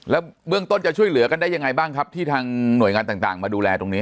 แล้วเบื้องต้นจะช่วยเหลือกันได้ยังไงบ้างครับที่ทางหน่วยงานต่างมาดูแลตรงนี้